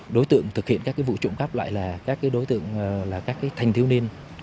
đối tượng thực hiện các vụ trộm cắp lại là các đối tượng thành thiếu niên